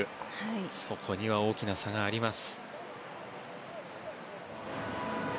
そこには大きな差があります。